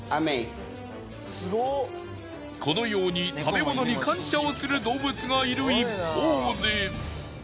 このように食べ物に感謝をする動物がいる一方で。